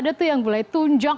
itu yang mulai tunjang